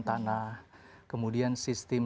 tanah kemudian sistem